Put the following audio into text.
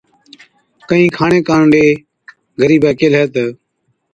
ڪهِين کاڻي ڪاڻ ڏي۔ غريبَي ڪيهلَي تہ،